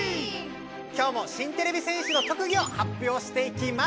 今日も新てれび戦士の特技を発表していきます。